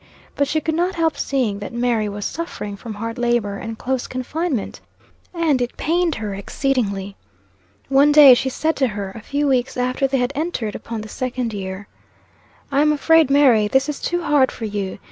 But she could not help seeing that Mary was suffering from hard labor and close confinement, and it pained her exceedingly. One day she said to her, a few weeks after they had entered upon the second year "I am afraid, Mary, this is too hard for you.